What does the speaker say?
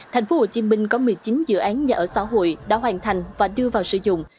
thành phố hồ chí minh có một mươi chín dự án nhà ở xã hội đã hoàn thành và đưa vào sử dụng